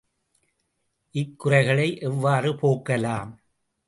இக்குறைகளை எவ்வாறு போக்கலாம்?